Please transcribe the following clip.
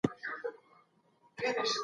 څېړني باید تل په منظمه توګه پرمخ ولاړي سي.